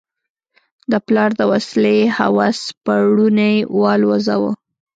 د پلار د وسلې هوس پوړونی والوزاوه.